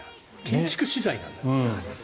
建築資材なんだ。